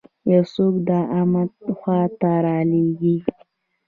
یو څوک د امت خوا ته رالېږي.